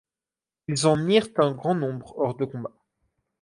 Ils en mirent un grand nombre hors de combat.